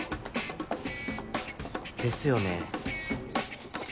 ですよね。